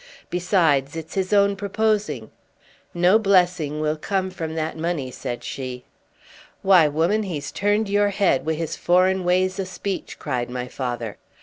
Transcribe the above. Besides, it's his own proposing." "No blessing will come from that money," said she. "Why, woman, he's turned your head wi' his foreign ways of speech!" cried my father.